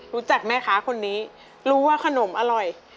รู้จักแม่ค้าคนนี้รู้ว่าขนมอร่อย